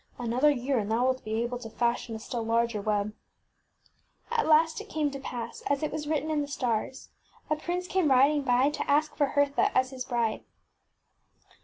An other year and thou wilt be able to fashion a still larger web. ŌĆÖ At last it came to pass, as it was written in the stars, a prince came rid ing by to ask for Hertha as his bride.